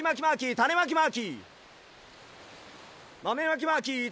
たねまきマーキー！